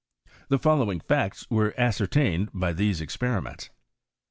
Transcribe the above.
The following facts were ascertained by these experiments; 1.